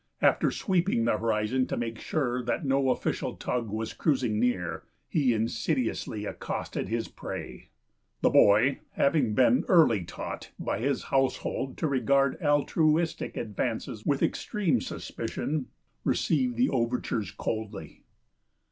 After sweeping the horizon to make sure that no official tug was cruising near, he insidiously accosted his prey. The boy, having been early taught by his household to regard altruistic advances with extreme suspicion, received the overtures coldly.